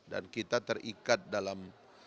dan kita terikat dalam